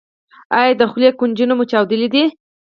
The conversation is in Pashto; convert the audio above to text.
ایا د خولې کنجونه مو چاودلي دي؟